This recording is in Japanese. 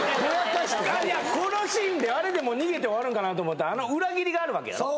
いやこのシーンであれでもう逃げて終わるんかなと思ったらあの裏切りがあるわけやろ？